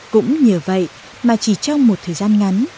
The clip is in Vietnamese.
cũng nhờ vậy mà chỉ trong một thời gian ngắn